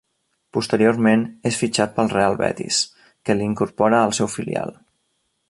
Posteriorment, és fitxat pel Real Betis, que l'hi incorpora al seu filial.